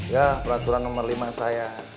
ya peraturan nomor lima saya